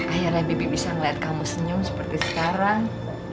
akhirnya bibi bisa ngeliat kamu senyum seperti sekarang